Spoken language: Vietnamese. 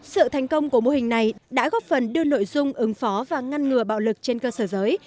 sự thành công của mô hình này đã góp phần đưa nội dung ứng phó và ngăn ngừa bạo lực trên cơ sở giới